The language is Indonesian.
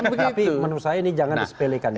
tapi menurut saya ini jangan disebelikan